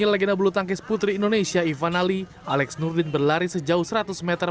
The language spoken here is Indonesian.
di damping legenda belutangkis putri indonesia ivan ali alex nurdin berlari sejauh seratus meter